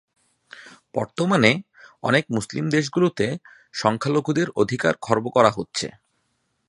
বর্তমানে, অনেক মুসলিম দেশগুলোতে সংখ্যালঘুদের অধিকার খর্ব করা হচ্ছে।